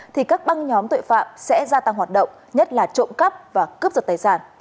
thì các băng nhóm tội phạm sẽ gia tăng hoạt động nhất là trộm cắp và cướp giật tài sản